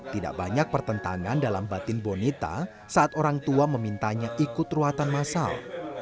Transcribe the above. tidak banyak pertentangan dalam batin bonita saat orang tua memintanya ikut ruatan masal